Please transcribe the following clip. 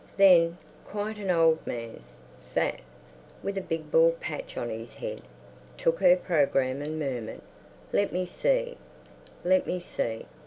Then quite an old man—fat, with a big bald patch on his head—took her programme and murmured, "Let me see, let me see!"